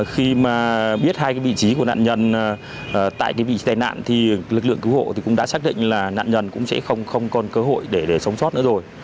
khi mà biết hai cái vị trí của nạn nhân tại cái vị tai nạn thì lực lượng cứu hộ thì cũng đã xác định là nạn nhân cũng sẽ không còn cơ hội để sống sót nữa rồi